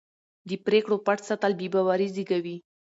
د پرېکړو پټ ساتل بې باوري زېږوي